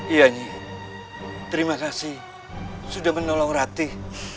iya ini terima kasih sudah menolong ratih